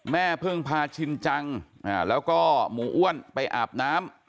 แม่เพิ่งพาชินจังแล้วก็หมูอ้วนไปอาบน้ำ